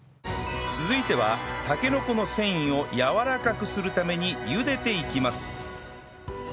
続いてはたけのこの繊維をやわらかくするために茹でていきます